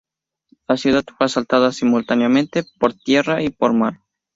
La ciudad fue asaltada simultáneamente por tierra y por mar.